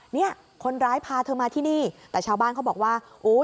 เนี่ยคนร้ายพาเธอมาที่นี่แต่ชาวบ้านเขาบอกว่าโอ้ย